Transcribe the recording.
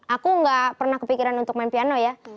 aku nggak pernah kepikiran untuk main piano ya